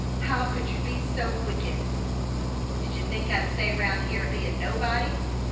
" How could you be so wicked ?"" Did you think I'd stay round here, and be a nobody